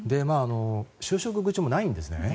就職口もないんですね。